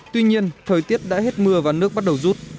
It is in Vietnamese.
tuy nhiên thời tiết đã hết mưa và nước bắt đầu rút